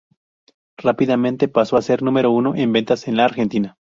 Rápidamente paso a ser número uno en ventas en la Argentina.